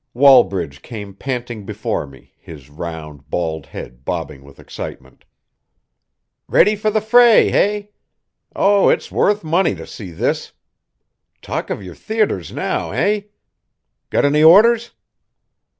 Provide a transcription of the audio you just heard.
Wallbridge came panting before me, his round, bald head bobbing with excitement. "Ready for the fray, eh? Oh, it's worth money to see this. Talk of your theaters now, eh? Got any orders?"